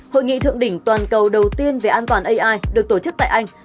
hội nghị thượng đỉnh toàn cầu đầu tiên về an toàn ai được tổ chức tại anh